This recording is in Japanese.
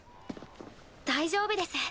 大丈夫です。